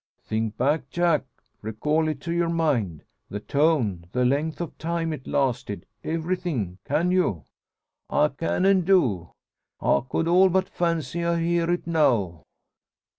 "Think back, Jack! Recall it to your mind; the tone, the length of time it lasted everything. Can you?" "I can, an' do. I could all but fancy I hear it now!"